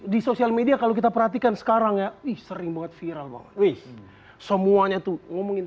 di sosial media kalau kita perhatikan sekarang ya ih sering buat viral semuanya tuh ngomongin